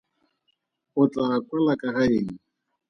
O tlaa kwala ka ga eng?